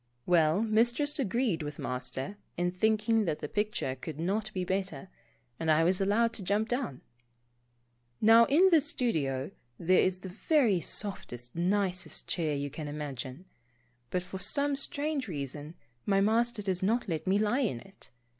Well, Mistress agreed with Master in thinking that the picture could not be better, and I was allowed to jump down. Now in the studio, there is the very softest, nicest chair you can imagine, but for some strange reason my Master does not let me lie in it.